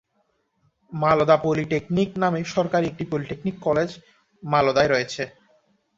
Malda polytechnic নামে সরকারী একটি পলিটেকনিক কলেজ ও মালদায় আছে।